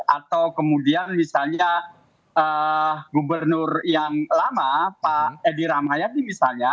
atau kemudian misalnya gubernur yang lama pak edi rahmayadi misalnya